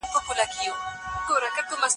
زه مخکي د کتابتون پاکوالی کړی وو.